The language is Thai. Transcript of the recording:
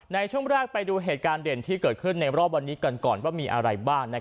ในช่วงแรกไปดูเหตุการณ์เด่นที่เกิดขึ้นในรอบวันนี้กันก่อนว่ามีอะไรบ้าง